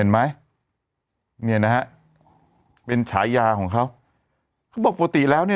เห็นไหมเนี่ยนะฮะเป็นฉายาของเขาเขาบอกปกติแล้วเนี่ย